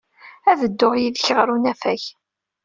Ad dduɣ yid-k ɣer unafag.